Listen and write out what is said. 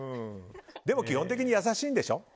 でも基本的に優しいんでしょ？